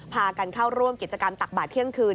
พากันเข้าร่วมกิจกรรมตักบาทเที่ยงคืน